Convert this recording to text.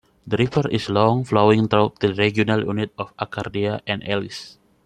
The river is long, flowing through the regional units of Arcadia and Elis.